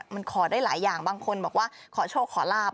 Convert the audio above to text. มันขอได้หลายอย่างบางคนบอกว่าขอโชคขอลาบ